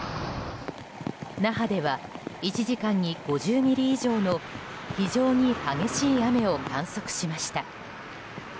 那覇では１時間に５０ミリ以上の非常に激しい雨を観測しました。